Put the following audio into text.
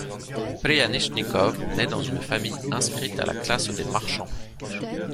Prianichnikov naît dans une famille inscrite à la classe des marchands.